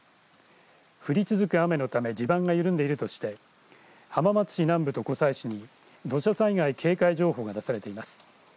続く雨のため地盤が緩んでいるとして浜松市南部と湖西市に土砂災害警戒情報が出されています。